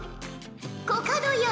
コカドよ